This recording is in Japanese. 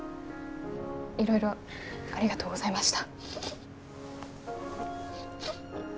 いろいろありがとうございました。